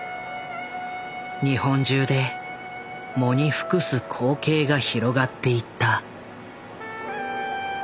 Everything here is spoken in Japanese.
日本中で喪に服す光景が広がっていった。